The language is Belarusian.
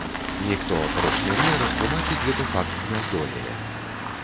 Ніхто апроч мяне растлумачыць гэты факт не здолее.